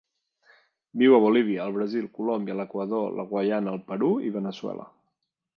Viu a Bolívia, el Brasil, Colòmbia, l'Equador, la Guyana, el Perú i Veneçuela.